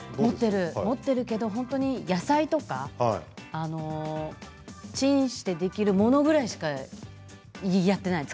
持っているけど野菜とかチンしてできるものぐらいしかやっていない。